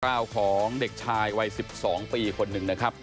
ราวของเด็กชายวัย๑๒ปีคนหนึ่งนะครับ